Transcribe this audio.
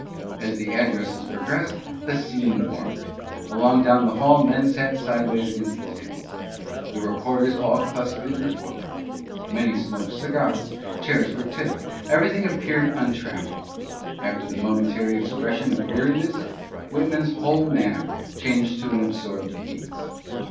As the addresses progressed, the scene warmed. Along down the hall men sat sidewise against the tables. The report ers all clustered in the foreground. Many smoked cigars, chairs were tipped, everything appeared un trammeled. After the momentary expression of weariness Whitman's whole manner changed to an absorbed ease.